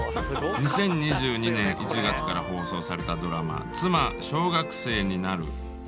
２０２２年１月から放送されたドラマ「妻、小学生になる。」。